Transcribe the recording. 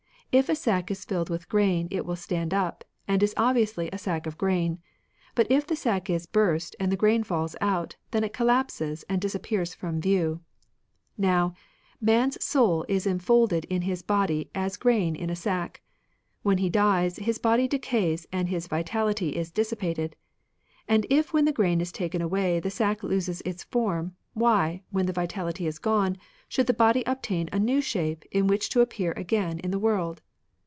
If a sack is filled with grain, it will stand up, and is obviously a sack of grain ; but if the sack is burst and the grain falls out, then it collapses and dis appears from view. Now, man's soul is enfolded in his body as grain in a sack. When he dies, his body decays and his vitaUty is dissipated ; and if when the grain is taken away the sack loses its form, why, when the vitaUty is gone, should the body obtain a new shape in which to appear again in the world